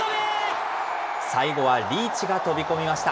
最後はリーチが飛び込みました。